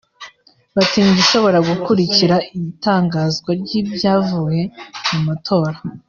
batinya igishobora gukurikira itangazwa ry’ibyavuye mu matora